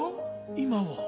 今は。